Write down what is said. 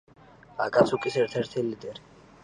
აკაცუკის ერთ-ერთი ლიდერი.